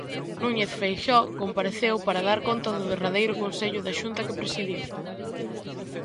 Núñez Feixóo compareceu para dar conta do derradeiro Consello da Xunta que presidiu.